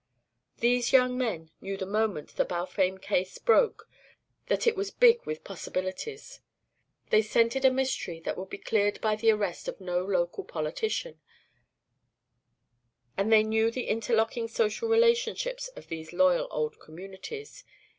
These young men knew the moment the Balfame case "broke" that it was big with possibilities; they scented a mystery that would be cleared by the arrest of no local politician; and they knew the interlocking social relationships of these loyal old communities.